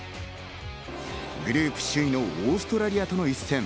グループ首位のオーストラリアとの一戦。